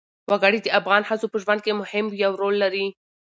وګړي د افغان ښځو په ژوند کې هم یو رول لري.